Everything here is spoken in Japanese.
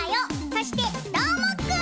そしてどーもくん！